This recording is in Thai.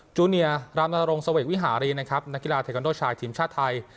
จูเนียรามนรงเสวกวิหารีนะครับนักกีฬาเทควันโดชายทีมชาติไทย